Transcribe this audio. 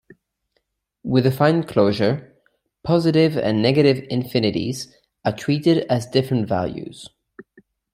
With affine closure, positive and negative infinities are treated as different values.